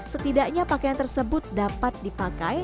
setidaknya pakaian tersebut dapat dipakai